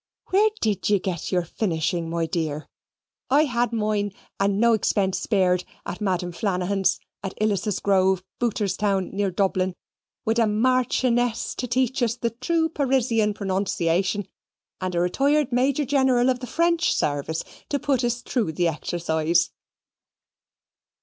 Where did ye get your finishing, my dear? I had moin, and no expince spared, at Madame Flanahan's, at Ilyssus Grove, Booterstown, near Dublin, wid a Marchioness to teach us the true Parisian pronunciation, and a retired Mejor General of the French service to put us through the exercise."